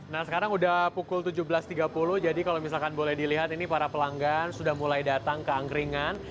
nah sekarang udah pukul tujuh belas tiga puluh jadi kalau misalkan boleh dilihat ini para pelanggan sudah mulai datang ke angkringan